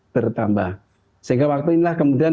bertambah sehingga waktu inilah kemudian